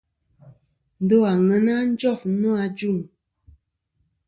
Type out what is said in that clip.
Ndo àŋena jof nô ajuŋ.